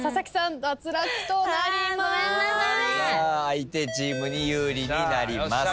相手チームに有利になります。